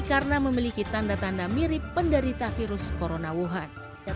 karena memiliki tanda tanda mirip penderita virus corona wuhan